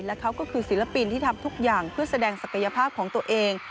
และเขาก็คือศิลปินที่ทำทุกอย่างเพื่อแสดงศักยภาพของตัวเอง